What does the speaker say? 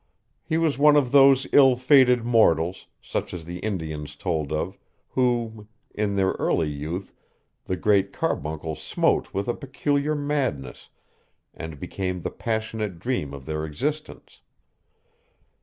He was one of those ill fated mortals, such as the Indians told of, whom, in their early youth, the Great Carbuncle smote with a peculiar madness, and became the passionate dream of their existence.